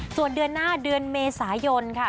ส่วนเดือนหน้าเดือนเมษายนค่ะ